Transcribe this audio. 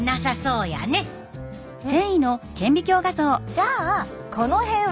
じゃあこの辺は？